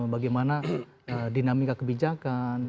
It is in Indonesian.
bagaimana dinamika kebijakan